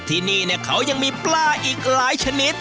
ที่นี่เขายังมีปลาอีกหลายชนิด